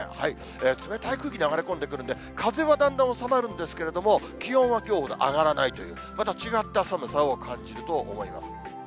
冷たい空気、流れ込んでくるんで、風はだんだん収まるんですけれども、気温はきょうほど上がらないという、また違った寒さを感じると思います。